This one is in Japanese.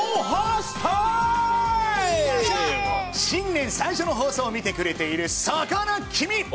新年最初の放送を見てくれているそこの君！